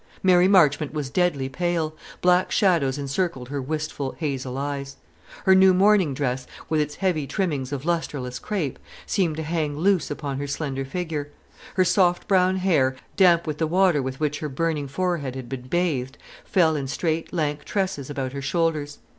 Mary Marchmont was deadly pale; black shadows encircled her wistful hazel eyes. Her new mourning dress, with its heavy trimmings of lustreless crape, seemed to hang loose upon her slender figure; her soft brown hair, damp with the water with which her burning forehead had been bathed, fell in straight lank tresses about her shoulders.